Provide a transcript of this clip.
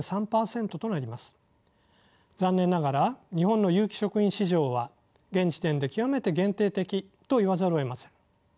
残念ながら日本の有機食品市場は現時点で極めて限定的と言わざるをえません。